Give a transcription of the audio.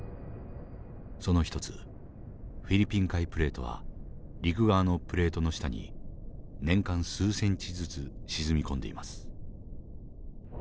その一つフィリピン海プレートは陸側のプレートの下に年間数ｃｍずつ沈み込んでいます。